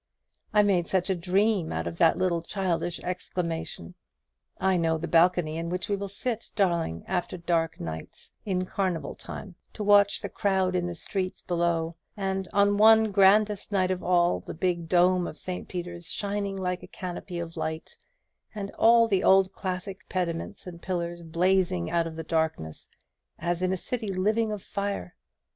I made such a dream out of that little childish exclamation. I know the balcony in which we will sit, darling, after dark nights, in carnival time, to watch the crowd in the streets below, and, on one grandest night of all, the big dome of St. Peter's shining like a canopy of light, and all the old classic pediments and pillars blazing out of the darkness, as in a city of living fire.